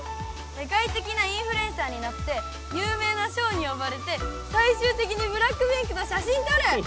世界的なインフルエンサーになって有名なショーに呼ばれて最終的にＢＬＡＣＫＰＩＮＫと写真とる！